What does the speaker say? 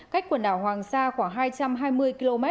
cách quần đảo hoàng sa khoảng hai trăm hai mươi km